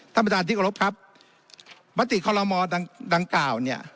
ท่านประจานธิกฤษครับปฏิคลมดังกล่าวเนี่ย